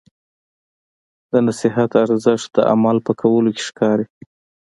د نصیحت ارزښت د عمل په کولو کې ښکاري.